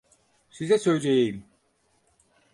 Size söyleyeyim.